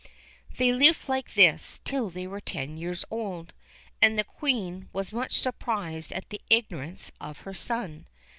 They lived thus till they were ten years old, and the Queen was much surprised at the ignorance of her son.